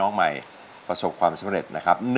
น้องใหม่ประสบความสำเร็จนะครับ